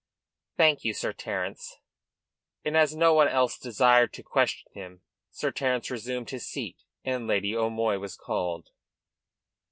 "Thank you, Sir Terence." And, as no one else desired to question him, Sir Terence resumed his seat, and Lady O'Moy was called.